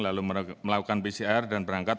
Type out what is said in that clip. lalu melakukan pcr dan berangkat